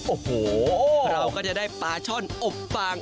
โอ้โหเราก็จะได้ปลาช่อนอบฟาง